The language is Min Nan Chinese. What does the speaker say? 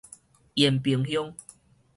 延平鄉